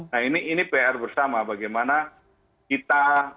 nah ini pr bersama bagaimana kita